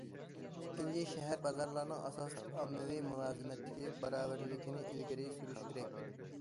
ئىككىنچى، شەھەر، بازارلارنىڭ ئاساسلىق ئاممىۋى مۇلازىمەتتىكى باراۋەرلىكىنى ئىلگىرى سۈرۈش كېرەك.